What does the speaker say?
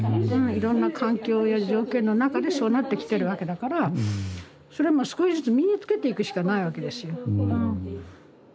いろんな環境や条件の中でそうなってきてるわけだからそれはもう少しずつ身につけていくしかないわけですよ。